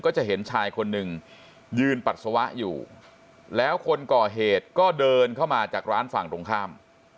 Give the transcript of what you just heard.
จะเห็นชายคนหนึ่งยืนปัสสาวะอยู่แล้วคนก่อเหตุก็เดินเข้ามาจากร้านฝั่งตรงข้าม